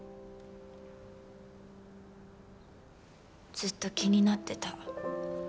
ずっと気になってた。